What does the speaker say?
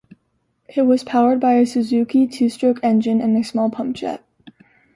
It was powered by a Suzuki two-stroke engine, and a small pump-jet.